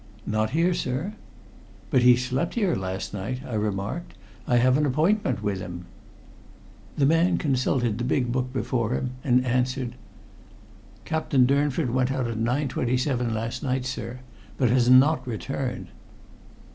"Not here, sir." "But he slept here last night," I remarked. "I have an appointment with him." The man consulted the big book before him, and answered: "Captain Durnford went out at 9:27 last night, sir, but has not returned."